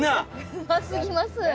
うま過ぎます。